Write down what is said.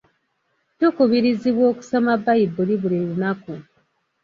Tukubirizibwa okusoma Bbayibuli buli lunaku.